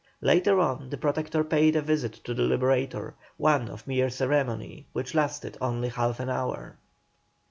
Later on the Protector paid a visit to the Liberator, one of mere ceremony, which lasted only half an hour.